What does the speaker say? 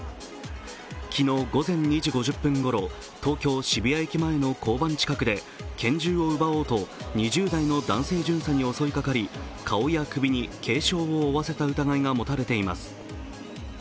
昨日午前２時５０分頃、東京・渋谷駅前の交番近くで拳銃を奪おうと２０代の男性巡査に襲いかかり顔や首に軽傷を負わせた疑いが持たれています。